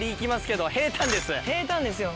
平たんですよ。